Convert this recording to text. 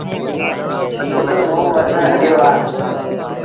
پُٽ موݩ وٽ هليو آ۔